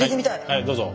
はいどうぞ。